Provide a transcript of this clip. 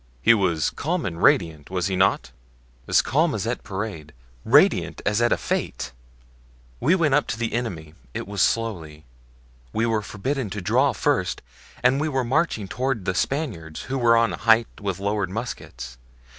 "He was calm and radiant, was he not?" "As calm as at parade, radiant as at a fete. When we went up to the enemy it was slowly; we were forbidden to draw first and we were marching toward the Spaniards, who were on a height with lowered muskets.